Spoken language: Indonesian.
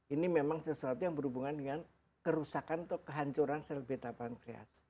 ini memang sesuatu yang berhubungan dengan kerusakan atau kehancuran sel beta pankreas